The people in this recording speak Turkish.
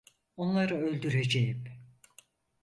Onları öldüreceğim.